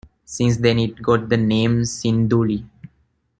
Since then it got the name Sindhuli.